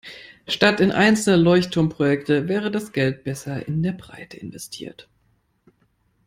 Statt in einzelne Leuchtturmprojekte wäre das Geld besser in der Breite investiert.